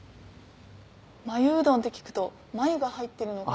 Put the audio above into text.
繭うどんって聞くと繭が入ってるのかな？